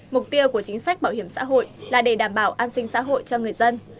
mục tiêu của chính sách bảo hiểm xã hội là để đảm bảo an sinh xã hội cho người dân